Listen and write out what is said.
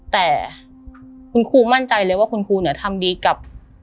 แต่คุณครูมั่นใจเลยว่าคุณครูทำดีกับ